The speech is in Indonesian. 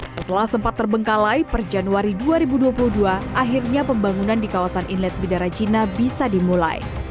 setelah sempat terbengkalai per januari dua ribu dua puluh dua akhirnya pembangunan di kawasan inlet bidara cina bisa dimulai